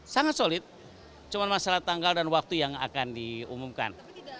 sangat solid cuma masalah tanggal dan waktu yang akan diumumkan